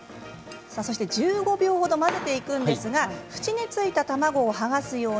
そして１５秒ほど混ぜていくんですが縁についた卵を剥がすように。